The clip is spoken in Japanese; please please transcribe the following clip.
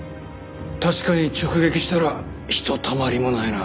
確かに直撃したらひとたまりもないな。